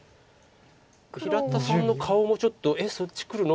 平田さんの顔もちょっと「えっそっちくるの？」